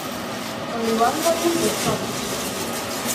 Only one volume was published.